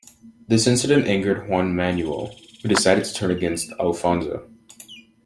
This incident angered Juan Manuel, who decided to turn against Alfonso.